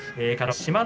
志摩ノ